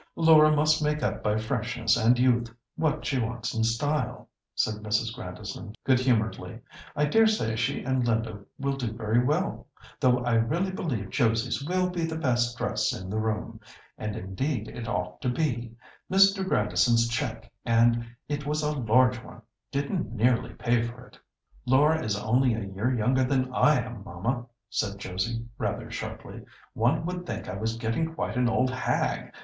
"Laura must make up by freshness and youth what she wants in style," said Mrs. Grandison good humouredly. "I dare say she and Linda will do very well, though I really believe Josie's will be the best dress in the room. And indeed it ought to be. Mr. Grandison's cheque, and it was a large one, didn't nearly pay for it." "Laura is only a year younger than I am, mamma," said Josie, rather sharply. "One would think I was getting quite an old hag.